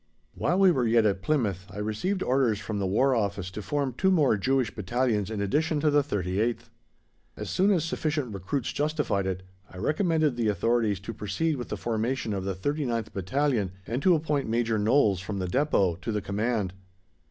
While we were yet at Plymouth I received orders from the War Office to form two more Jewish Battalions in addition to the 38th. As soon as sufficient recruits justified it I recommended the Authorities to proceed with the formation of the 39th Battalion and to appoint Major Knowles, from the Depôt, to the Command.